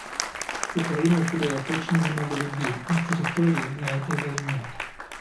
Украина теряет очень много людей и территории на этой войне.